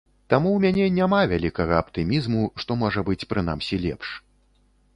Таму ў мяне няма вялікага аптымізму, што можа быць прынамсі лепш.